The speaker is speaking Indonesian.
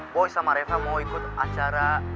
boy sama reva mau ikut acara